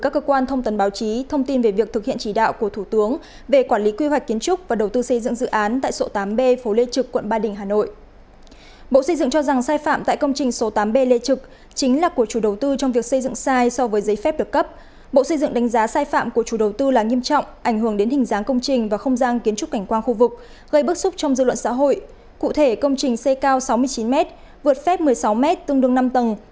cụ thể công trình xây cao sáu mươi chín m vượt phép một mươi sáu m tương đương năm tầng không giật cấp để tạo khoảng lùi dẫn đến diện tích sàn xây dựng vượt thêm sáu m hai